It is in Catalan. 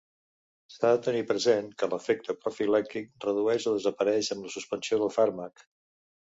S’ha de tenir present que l’efecte profilàctic redueix o desapareix amb la suspensió del fàrmac.